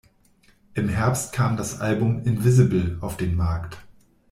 Im Herbst kam das Album "Invisible" auf den Markt.